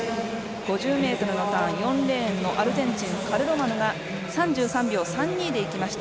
５０ｍのターン４レーンのアルゼンチンカルロマノが３３秒３２でいきました。